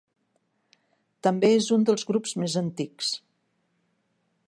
També és un dels grups més antics.